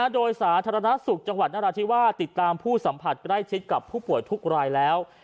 โดยสาธารณสุขจังหวัดนราธิวาสติดตามผู้สัมผัสใกล้ชิดกับผู้ป่วยทุกรายแล้ว